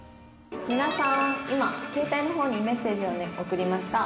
「皆さん今携帯の方にメッセージをね送りました」